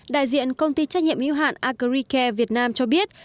đại diện công ty trách nhiệm yêu hạn agricare việt nam cho biết